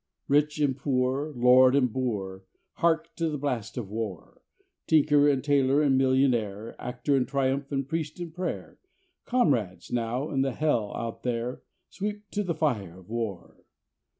Rich and poor, lord and boor, Hark to the blast of War! Tinker and tailor and millionaire, Actor in triumph and priest in prayer, Comrades now in the hell out there, Sweep to the fire of War!